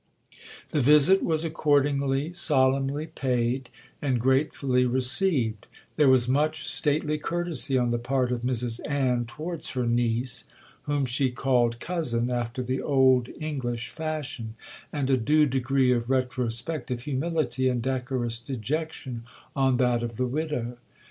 'The visit was accordingly solemnly paid, and gratefully received,—there was much stately courtesy on the part of Mrs Ann towards her niece, (whom she called cousin after the old English fashion), and a due degree of retrospective humility and decorous dejection on that of the widow.